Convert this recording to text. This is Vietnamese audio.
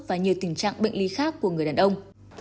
và nhiều tình trạng bệnh lý khác của người đàn ông